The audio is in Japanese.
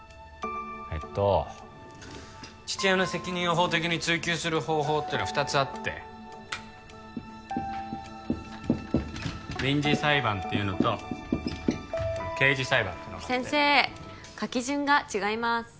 えっと父親の責任を法的に追及する方法っていうのは２つあって民事裁判っていうのと刑事裁判っていうのがあって先生書き順が違います